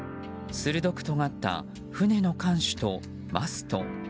鋭くとがった船の艦首とマスト。